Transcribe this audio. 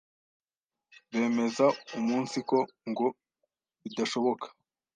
bemeza umunsiko ngo bidashoboka.